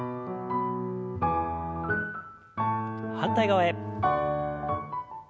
反対側へ。